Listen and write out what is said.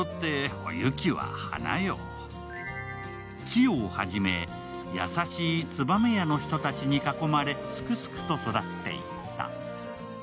千代をはじめ優しい燕屋の人たちに囲まれすくすくと育っていった。